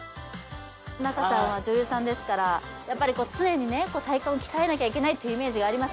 仲さんは女優さんですからやっぱり常に体幹を鍛えなきゃいけないっていうイメージがあります